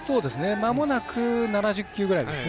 まもなく７０球ぐらいですね。